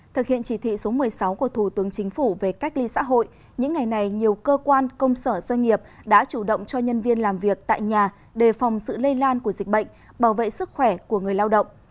thực hiện chỉ thị số một mươi sáu của thủ tướng chính phủ về cách ly xã hội những ngày này nhiều cơ quan công sở doanh nghiệp đã chủ động cho nhân viên làm việc tại nhà đề phòng sự lây lan của dịch bệnh bảo vệ sức khỏe của người lao động